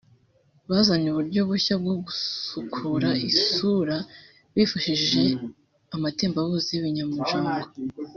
bazanye uburyo bushya bwo gusukura isura bifashishije amatembabuzi y’ibinyamujongo